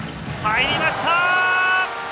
入りました！